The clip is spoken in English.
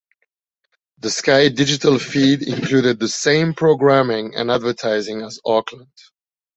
The Sky Digital feed included the same programming and advertising as Auckland.